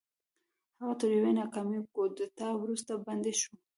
هغه تر یوې ناکامې کودتا وروسته بندي شو.